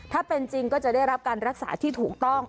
ถ้าเป็นจริงก็จะได้รับการรักษาที่ถูกต้อง